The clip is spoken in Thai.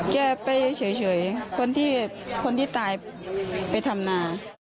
แกไปเฉยคนที่คนที่ตายไปทำนา